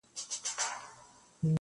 • پورته والوتل پوځونه د مرغانو -